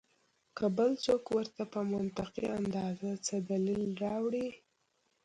کۀ بل څوک ورته پۀ منطقي انداز څۀ دليل راوړي